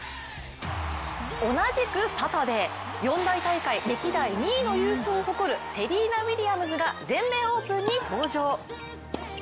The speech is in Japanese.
同じくサタデー、四大大会歴代２位の優勝を誇るセリーナ・ウィリアムズが全米オープンに登場。